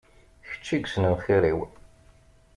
D kečč i yesnen xir-iw.